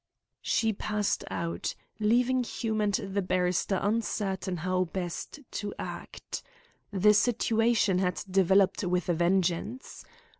She passed out, leaving Hume and the barrister uncertain how best to act. The situation had developed with a vengeance.